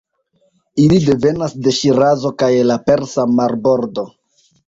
Ili devenas de Ŝirazo kaj la persa marbordo (nun Irano).